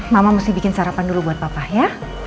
mama mesti bikin sarapan dulu buat papa ya